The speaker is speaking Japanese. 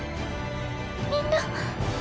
みんな。